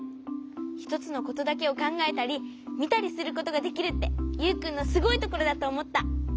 ひとつのことだけをかんがえたりみたりすることができるってユウくんのすごいところだとおもった。